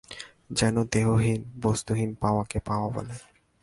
যেন দেহহীন বস্তুহীন পাওয়াকে পাওয়া বলে!